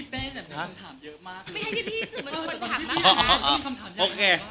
ไม่ให้พี่สึกมันชนผักมาก